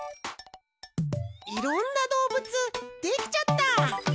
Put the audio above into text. いろんなどうぶつできちゃった！